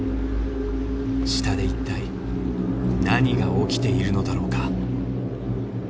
下で一体何が起きているのだろうか？